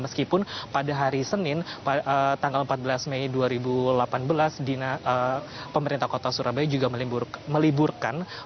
meskipun pada hari senin tanggal empat belas mei dua ribu delapan belas pemerintah kota surabaya juga meliburkan